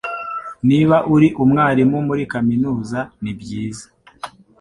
Niba uri umwarimu muri Kaminuza nibyiza